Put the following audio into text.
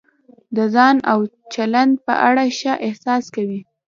د ځان او چلند په اړه ښه احساس کوئ.